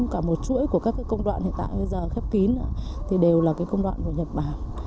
cả một chuỗi của các công đoạn hiện tại bây giờ khép kín thì đều là công đoạn của nhật bản